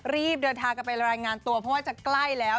รีบเดินทางกันไปรายงานตัวเพราะว่าจะใกล้แล้ว